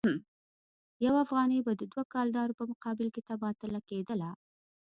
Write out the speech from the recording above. یو افغانۍ به د دوه کلدارو په مقابل کې تبادله کېدله.